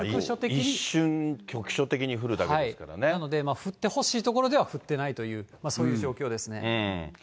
一瞬、局所的に降るだけですなので降ってほしい所では降ってないという、そういう状況ですね。